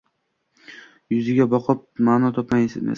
Yuziga boqib, ma’no topmaysiz